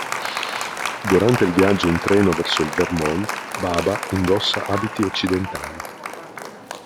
Durante il viaggio in treno verso il Vermont, Baba indossa abiti occidentali.